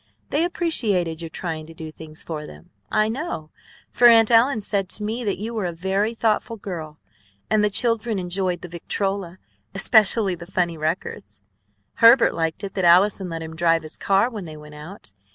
They appreciated your trying to do things for them, I know, for Aunt Ellen said to me that you were a very thoughtful girl. And the children enjoyed the victrola, especially the funny records. Herbert liked it that Allison let him drive his car when they went out.